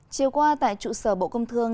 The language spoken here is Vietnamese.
chiều qua tại trụ sở bộ công thương